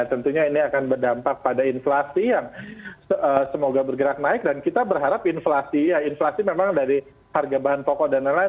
tentunya ini akan berdampak pada inflasi yang semoga bergerak naik dan kita berharap inflasi memang dari harga bahan pokok dan lain lain